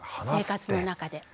生活の中で。